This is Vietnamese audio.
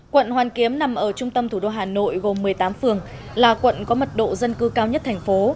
quận hoàn kiếm nằm ở trung tâm thủ đô hà nội gồm một mươi tám phường là quận có mật độ dân cư cao nhất thành phố